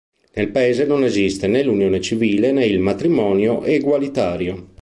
Nel paese non esiste ne l'unione civile ne il matrimonio egualitario.